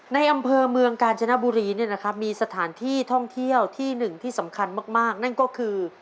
ในอำเภอเมืองกาญจนบุรีมีสถานที่ท่องเที่ยวที่๑ที่สำคัญมากนั่นก็คือ